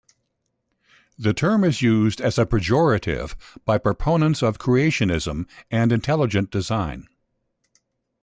The term is used as a pejorative by proponents of creationism and intelligent design.